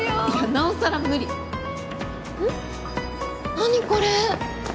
何これ。